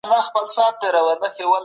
اې د الله رسوله د پيغلي اجازه به څنګه وي؟